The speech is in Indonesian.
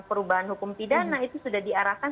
perubahan hukum pidana itu sudah diarahkan